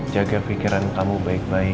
jaga pikiran kamu baik baik